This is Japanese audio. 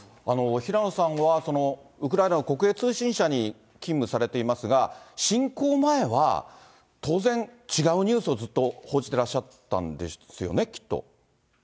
平野さんは、ウクライナの国営通信社に勤務されていますが、侵攻前は当然、違うニュースをずっと報じてらっしゃったんですよね、きっと。